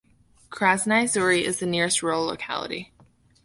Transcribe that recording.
Krasnye Zori is the nearest rural locality.